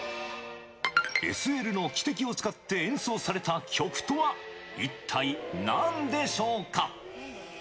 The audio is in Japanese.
ＳＬの汽笛を使って演奏された曲とは、一体何でしょうか。